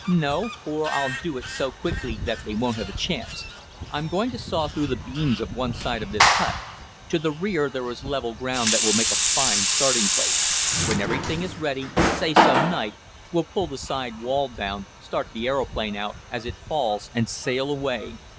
"No, for I'll do it so quickly that they won't have a chance. I'm going to saw through the beams of one side of this hut. To the rear there is level ground that will make a fine starting place. When everything is ready, say some night, we'll pull the side wall down, start the aeroplane out as it falls, and sail away.